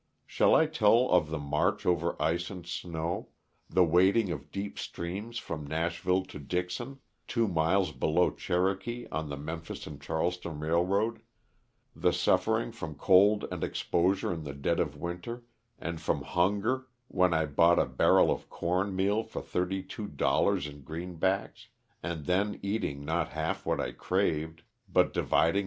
Shall I tell of the march over ice and snow ; the wading of deep streams from Nashville to Dixon, two miles below Cherokee, on the Memphis & Charleston railroad ; the suffering from cold and exposure in the dead of winter, and from hunger, when I bought a bushel of corn meal for thirty two dollars in greenbacks, and then eating not half what I craved, but dividing LOSS OF THE SULTAKA.